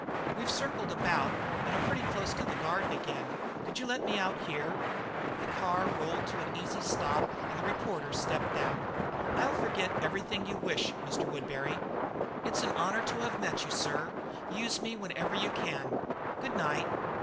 "We've circled about and are pretty close to the Garden again. Could you let me out here?" The car rolled to an easy stop and the reporter stepped out. "I'll forget everything you wish, Mr. Woodbury." "It's an honour to have met you, sir. Use me whenever you can. Goodnight."